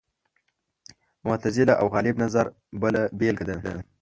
معتزله او غالب نظر بله بېلګه ده